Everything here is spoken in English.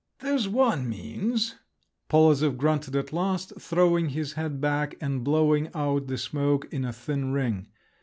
"There's one means," Polozov grunted at last, throwing his head back, and blowing out the smoke in a thin ring.